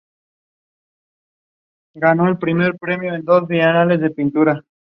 La iglesia actual sustituye a una anterior, más pequeña.